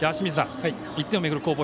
１点を巡る攻防